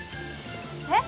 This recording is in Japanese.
え？